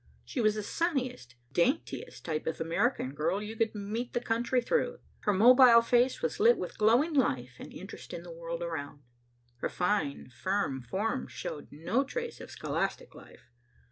She was the sunniest, daintiest type of American girl you could meet the country through. Her mobile face was lit with glowing life and interest in the world around. Her fine firm form showed no trace of scholastic life.